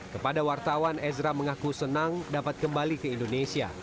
kepada wartawan ezra mengaku senang dapat kembali ke indonesia